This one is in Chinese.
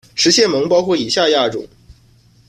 食蟹獴包括以下亚种